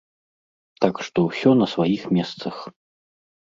Так што ўсё на сваіх месцах.